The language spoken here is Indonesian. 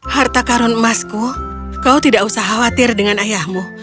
harta karun emasku kau tidak usah khawatir dengan ayahmu